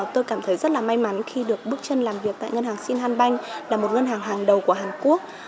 tôi cảm thấy rất là may mắn khi được bước chân làm việc tại ngân hàng shinhan banh là một ngân hàng hàng đầu của hàn quốc